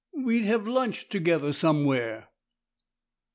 We'd have lunch together somewhere."